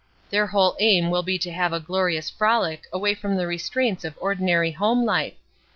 Their whole aim will be to have a glorious frolic away from the restraints of ordinary home life.